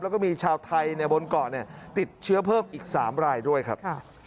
แล้วก็มีชาวไทยบนเกาะเนี่ยติดเชื้อเพิ่มอีก๓รายด้วยครับ